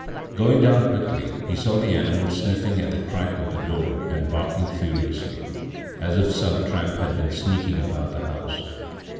Going down quickly, he saw the animal sniffing at the crack of the door and barking furiously, as if some tramp had been sneaking about the house.